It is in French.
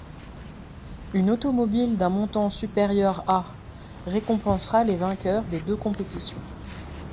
Une automobile d'un montant supérieur à récompensera les vainqueurs des deux compétitions.